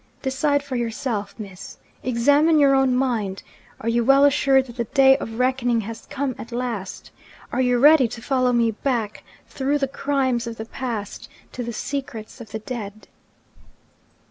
Decide for yourself, Miss. Examine your own mind. Are you well assured that the day of reckoning has come at last? Are you ready to follow me back, through the crimes of the past, to the secrets of the dead?'